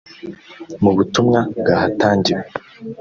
Mu butumwa bwahatangiwe